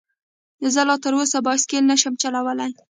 زه لا تر اوسه بايسکل نشم چلولی